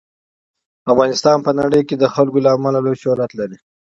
افغانستان په نړۍ کې د وګړي له امله لوی شهرت لري.